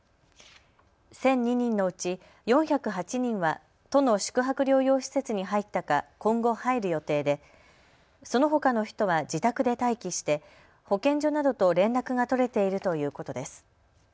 １００２人のうち４０８人は都の宿泊療養施設に入ったか今後入る予定でそのほかの人は自宅で待機して保健所などと連絡が取れているということです。